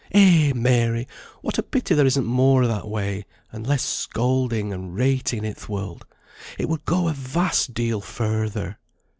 Eh! Mary, what a pity there isn't more o' that way, and less scolding and rating i' th' world! It would go a vast deal further.